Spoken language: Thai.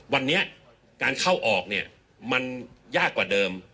วันนี้การเข้าออกเนี่ยมันยากกว่าเดิม